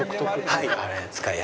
はい。